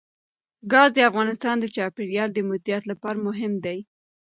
ګاز د افغانستان د چاپیریال د مدیریت لپاره مهم دي.